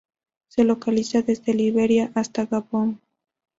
Se localiza desde Liberia hasta Gabón.